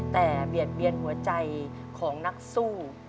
แต่เบียดเบียนหัวใจของนักสู้